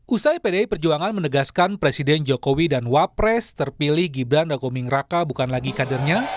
usai pdi perjuangan menegaskan presiden jokowi dan wapres terpilih gibran raguming raka bukan lagi kadernya